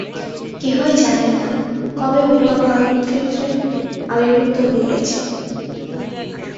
কেহই জানে না, কবে উহা প্রথম ভারতক্ষেত্রে আবির্ভূত হইয়াছিল।